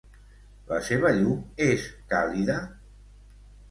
La seva llum és càlida?